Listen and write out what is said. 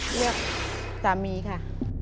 เลือกสามีค่ะ